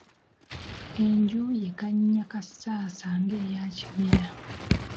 Enju ye Kannyakassasa ng'eya Kimera.